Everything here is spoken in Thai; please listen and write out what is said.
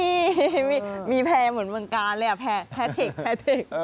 ดีมีแพ้เหมือนเมืองกาลเลยแพ้เทค